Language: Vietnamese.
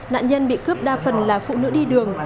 nạn nhân bị cướp đa phần là phụ nữ đi đường